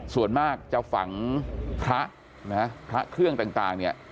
ส่วนมากจะฝังพระนะฮะพระเครื่องต่างเนี่ย